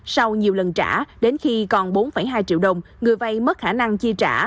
sau nhiều lần trả đến khi còn bốn hai triệu đồng người vay mất khả năng chi trả